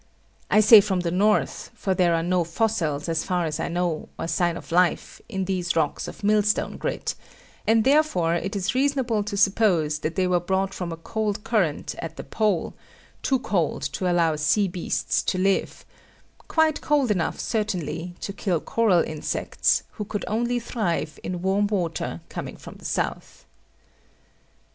I say from the North for there are no fossils, as far as I know, or sign of life, in these rocks of mill stone grit; and therefore it is reasonable to suppose that they were brought from a cold current at the Pole, too cold to allow sea beasts to live, quite cold enough, certainly, to kill coral insects, who could only thrive in warm water coming from the South.